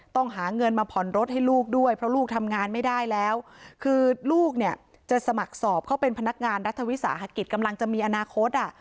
ต้องหาเงินมาผ่อนรถให้ลูกด้วยเพราะลูกทำงานไม่ได้แล้วคือลูกเนี่ยจะสมัครสอบเขาเป็นพนักงานรัฐวิสาหกิจกำลังจะมีอนาคตอ่ะ